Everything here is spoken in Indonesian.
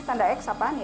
ini tanda x apaan ya